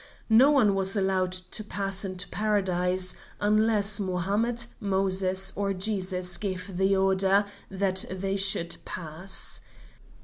No one was allowed to pass into Paradise, unless Mohammed, Moses, or Jesus gave the order that they should pass.